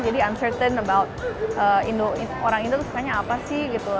jadi uncertain about orang indo itu sukanya apa sih gitu loh